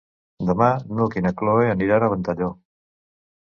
Demà n'Hug i na Cloè aniran a Ventalló.